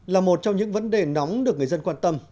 là một trong những vấn đề nóng được người dân quan tâm